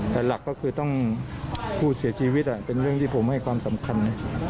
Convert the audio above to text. แต่หลักก็คือต้องผู้เสียชีวิตเป็นเรื่องที่ผมให้ความสำคัญ